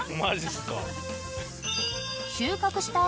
［収穫した］